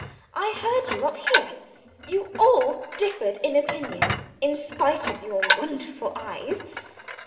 "I heard you up here. You all differed in opinion, in spite of your wonderful eyes.